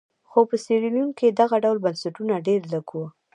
خو په سیریلیون کې دغه ډول بنسټونه ډېر لږ وو.